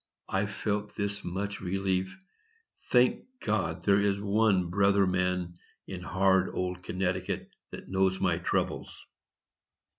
I felt this much relief,—"Thank God there is one brother man in hard old Connecticut that knows my troubles."